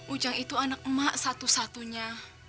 ujang itu anak emak satu satunya